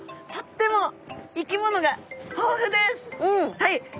はい！